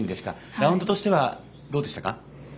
ラウンドとしてはどうでしたか？